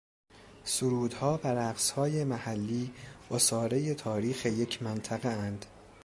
سرودها و رقصهای محلی عصاره تاریخ یک منطقهاند